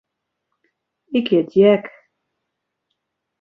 Ik hjit Jack.